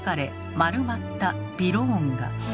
丸まったびろーんが。